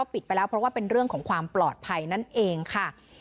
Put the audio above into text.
ปิดไปแล้วเพราะว่าเป็นเรื่องของความปลอดภัยนั่นเองค่ะ